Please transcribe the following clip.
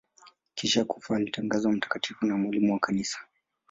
Kisha kufa alitangazwa mtakatifu na mwalimu wa Kanisa.